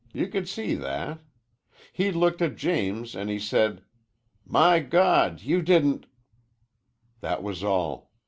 You could see that. He looked at James, an' he said, 'My God, you didn't ' That was all.